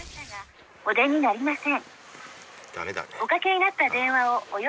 「お出になりません」